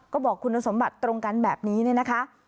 ก็บอกคุณสมบัติตรงกันแบบนี้เนี่ยนะคะ